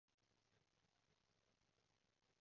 今晚係親子丼